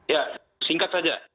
ya singkat saja